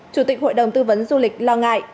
chủ tịch hội đồng tư vấn du lịch lo ngại